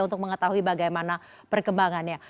untuk mengetahui bagaimana perkembangannya